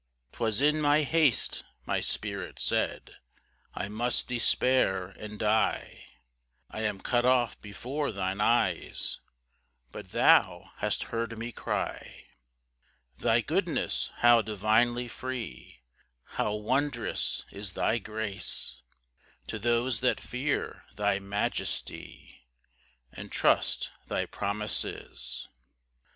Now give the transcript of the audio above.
5 ['Twas in my haste, my spirit said, "I must despair and die, "I am cut off before thine eyes;" But thou hast heard me cry.] 6 Thy goodness how divinely free! How wondrous is thy grace To those that fear thy majesty, And trust thy promises!